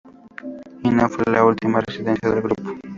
Y no fue la última residencia del grupo.